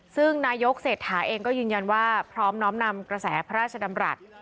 ซึ่งนายกเศรษฐาเองก็ยืนยันว่าพร้อมน้อมนำกระแสพระราชดำรัฐ